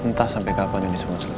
entah sampai kapan ini semua selesai